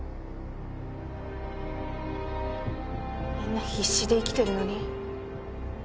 みんな必死で生きてるのに。